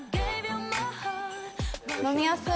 飲みやすい。